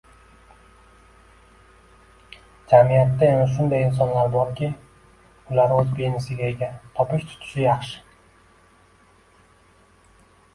Jamiyatda yana shunday insonlar borki, ular o‘z biznesiga ega, topish-tutishi yaxshi.